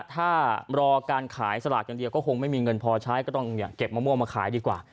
ถ้ารอการขายสลากอย่างเดียวก็คงไม่มีเงินพอใช้ก็ต้องเก็บมะม่วงมาขายดีกว่า